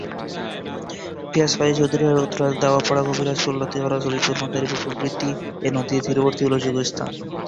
পিয়াজখালি, চৌধুরীরহাট, উৎরাইল, দত্তপাড়া, কবিরাজপুর লতিখোলা, ছবিপুর, মাদারীপুর প্রভৃতি এ নদীর তীরবর্তী উল্লেখযোগ্য স্থান।